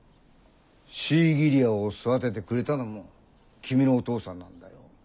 シーギリアを育ててくれたのも君のお父さんなんだよ。